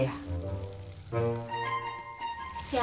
dari siapa mak